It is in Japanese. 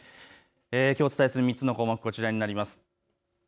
きょうお伝えする３つの項目こちらです。